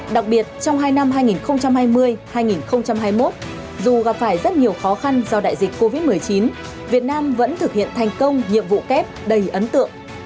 đặc biệt trong hai năm hai nghìn hai mươi hai nghìn hai mươi một dù gặp phải rất nhiều khó khăn do đại dịch covid một mươi chín việt nam vẫn thực hiện thành công nhiệm vụ kép đầy ấn tượng